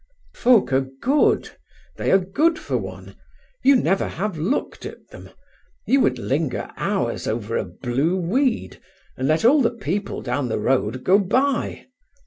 "Folk are good; they are good for one. You never have looked at them. You would linger hours over a blue weed, and let all the people down the road go by.